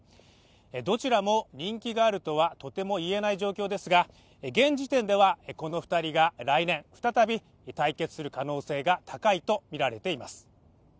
どちらも人気があるとはとても言えない状況ですが現時点ではこの２人が来年再び対決する可能性が高いとみられています。